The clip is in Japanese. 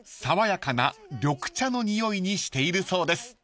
［爽やかな緑茶の匂いにしているそうです］